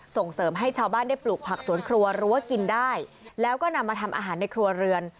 ส่งเสริมให้ชาวบ้านได้ปลูกผักสวนครัวรั้วกินได้แล้วก็นำมาทำอาหารในครัวเรือน